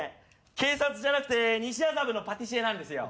警察じゃなくて西麻布のパティシエなんですよ。